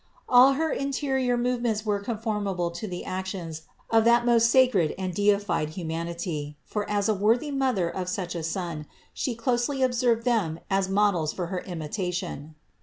All her interior movements were conformable to the actions of that most sacred and deified Humanity; for as a worthy Mother of such a Son She closely ob 370 CITY OF GOD served them as models for her imitation.